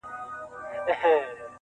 • كه مو نه سړېږي زړه په انسانانو -